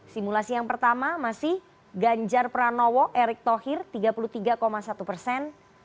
simulasi yang pertama masih ganjar pranowo erick thohir tiga puluh tiga satu persen